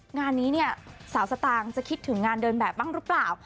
งานนี้เนี่ยสาวสตางค์จะคิดถึงงานเดินแบบบ้างหรือเปล่า